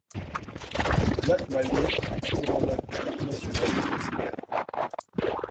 Le lac Maligne est le plus grand lac du parc national de Jasper.